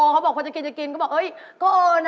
ลาเม้งก็ต้องฆ่ามันก่อน